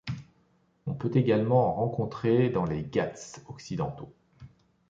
On peut également en rencontrer dans les Ghats occidentaux.